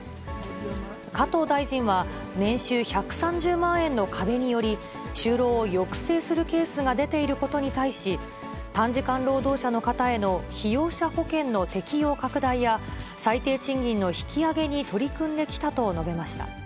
加藤大臣は、年収１３０万円の壁により、就労を抑制するケースが出ていることに対し、短時間労働者の方への被用者保険の適用拡大や、最低賃金の引き上げに取り組んできたと述べました。